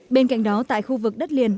bên cạnh đó tại khu vực đất liền